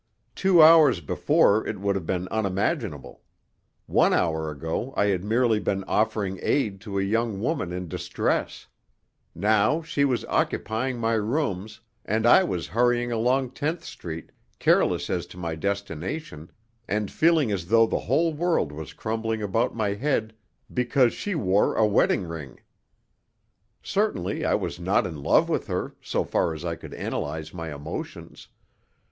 Two hours before it would have been unimaginable; one hour ago I had merely been offering aid to a young woman in distress; now she was occupying my rooms and I was hurrying along Tenth Street, careless as to my destination, and feeling as though the whole world was crumbling about my head because she wore a wedding ring. Certainly I was not in love with her, so far as I could analyze my emotions.